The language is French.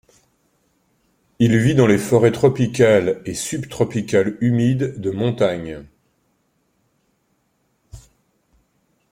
Il vit dans les forêts tropicales et subtropicales humides de montagne.